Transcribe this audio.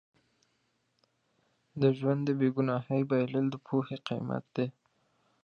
د ژوند د بې ګناهۍ بایلل د پوهې قیمت دی.